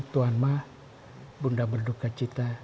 tuhan mah bunda berduka cita